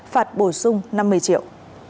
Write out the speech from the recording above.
phạt bổ sung năm mươi triệu